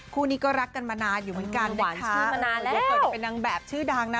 คู่นี้ก็รักกันมานานอยู่เหมือนกันหวานชื่อมานานแล้วเคยเป็นนางแบบชื่อดังนะ